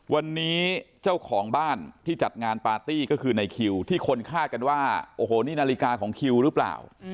วันนี้เจ้าของบ้านที่จัดงานปาร์ตี้ก็คือในคิวที่คนคาดกันว่าโอ้โหนี่นาฬิกาของคิวหรือเปล่า